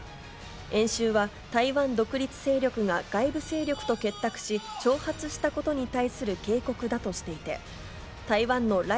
演習は台湾独立勢力が外部勢力と結託し、挑発したことに対する警告だとしていて、台湾の頼